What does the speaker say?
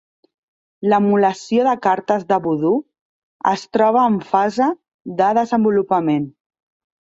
L'emulació de cartes de vudú es troba en fase de desenvolupament.